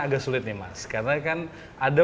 agak sulit nih mas karena kan ada